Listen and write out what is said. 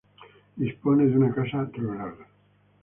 Dispone de una Casa Rural.